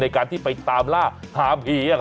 ในการที่ไปตามล่าหาผีครับ